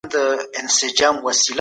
په کور کي د ګلانو بوټي کښېنوئ.